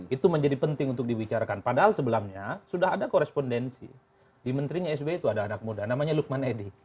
itu menjadi penting untuk dibicarakan padahal sebelumnya sudah ada korespondensi di menterinya sby itu ada anak muda namanya lukman edi